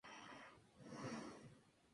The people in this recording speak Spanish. El parque tiene picos montañosos accidentados.